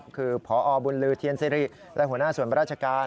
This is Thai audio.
คือพอบุญลือเทียนสิริและหัวหน้าส่วนราชการ